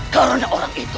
karena orang itu